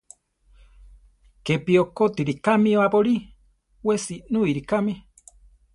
Kepi okótiri kame aborí, we senúiri kame.